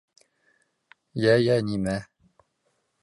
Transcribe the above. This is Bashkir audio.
Йә, йә, нимә?